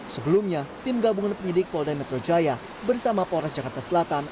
sebelumnya tim gabungan penyidik polda metro jaya bersama polres jakarta selatan